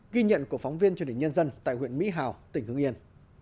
ghi nhận của phóng viên truyền hình nhân dân tại huyện mỹ hào tỉnh hưng yên